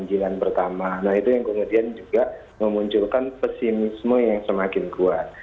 dan jalan pertama nah itu yang kemudian juga memunculkan pesimisme yang semakin kuat